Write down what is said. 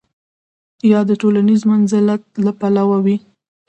یا د ټولنیز منزلت له پلوه وي.